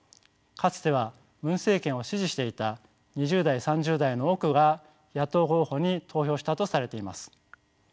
かつてはムン政権を支持していた２０代３０代の多くが野党候補に投票したとされています。